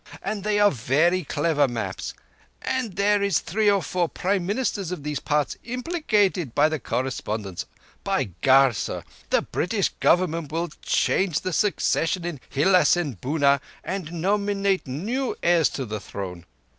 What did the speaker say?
And they are very clever maps ... and there is three or four Prime Ministers of these parts implicated by the correspondence. By Gad, sar! The British Government will change the succession in Hilás and Bunár, and nominate new heirs to the throne.